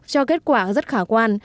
cho kết quả rất khả quan